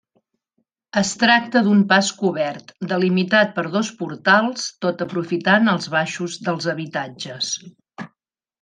Es tracta d’un pas cobert delimitat per dos portals tot aprofitant els baixos dels habitatges.